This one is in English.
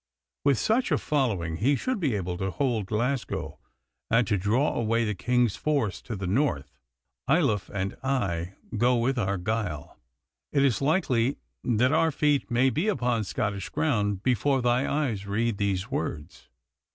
With such a following he should be able to hold Glasgow, and to draw away the King's force to the north. Ayloffe and I go with Argyle. It is likely that our feet may be upon Scottish ground before thy eyes read these words.